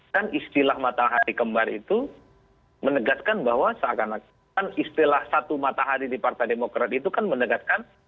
kan istilah matahari kembar itu menegaskan bahwa seakan akan istilah satu matahari di partai demokrat itu kan menegaskan